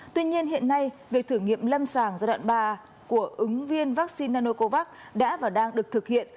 tuy nhiên hiện nay việc thử nghiệm lâm sàng giai đoạn ba của ứng viên vaccine nanocovax đã và đang được thực hiện